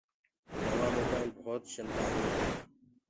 نوآ مونآئيل بوت چلدآ هينٚ